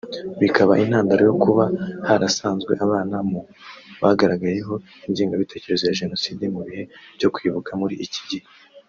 bikaba intandaro yo kuba harasanzwe abana mu bagaragayeho ingengabitekerezo ya Jenoside mu bihe byo kwibuka muri iki gihe